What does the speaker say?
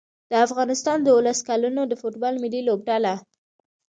د افغانستان د اولس کلونو د فوټبال ملي لوبډله